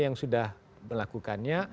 yang sudah melakukannya